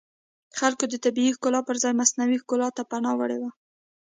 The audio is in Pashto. خلکو د طبیعي ښکلا پرځای مصنوعي ښکلا ته پناه وړې وه